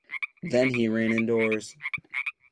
Then he ran indoors.